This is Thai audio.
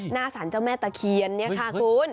หน้าสารเจ้าแม่ตะเคียนเนี่ยค่ะคุณ